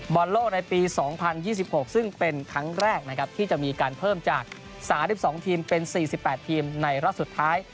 บอลโลกในปี๒๐๒๖ซึ่งเป็นครั้งแรกนะครับที่จะมีการเพิ่มจาก๓๒ทีมเป็น๔๘ทีมในรอบสุดท้าย